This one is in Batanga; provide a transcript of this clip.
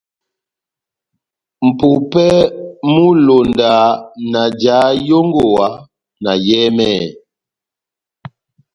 Mʼpumpɛ mú ilonda na jaha yongowa na yɛhɛmɛhɛ,